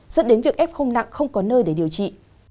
dẫn đến việc f nặng không có nơi để điều trị